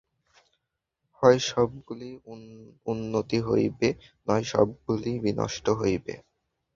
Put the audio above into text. হয় সবগুলিরই উন্নতি হইবে, নয় সবগুলিই বিনষ্ট হইবে।